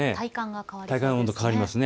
体感温度が変わりますね。